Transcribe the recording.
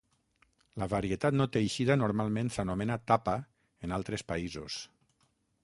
La varietat no teixida normalment s'anomena "tapa" en altres països.